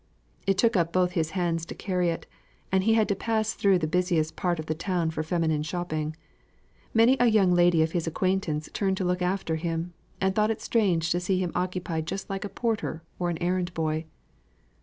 It took up both his hands to carry it; and he had to pass through the busiest part of the town for feminine shopping. Many a young lady of his acquaintance turned to look after him, and thought it strange to see him occupied just like a porter or an errand boy.